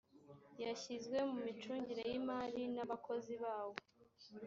yashyizwe mu micungire y’imari n’abakozi bawo